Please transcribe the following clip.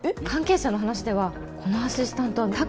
「関係者の話ではこのアシスタントは」